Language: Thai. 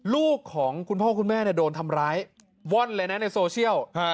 ลูกของคุณพ่อคุณแม่โดนทำร้ายว่อนเลยนะในโซเชียล